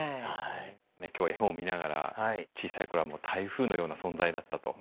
今日は絵本見ながら小さい頃は台風のような存在だったと。